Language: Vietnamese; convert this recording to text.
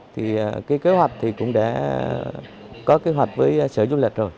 thì kế hoạch cũng đã có kế hoạch với sở du lịch rồi